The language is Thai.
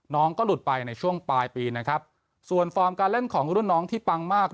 ก็หลุดไปในช่วงปลายปีนะครับส่วนฟอร์มการเล่นของรุ่นน้องที่ปังมาก